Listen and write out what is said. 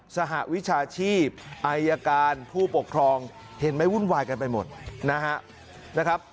สหวิชาชีพอายการผู้ปกครองเห็นไหมวุ่นวายกันไปหมดนะครับ